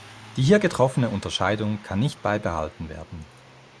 Die hier getroffene Unterscheidung kann nicht beibehalten werden.